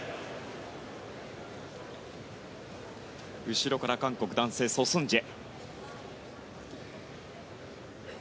後ろから韓国、男性ソ・スンジェ。